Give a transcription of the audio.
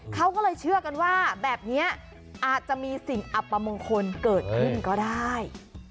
เขาก็เลยเชื่อกันว่าแบบนี้อาจจะมีสิ่งอัปมงคลเกิดขึ้นก็ได้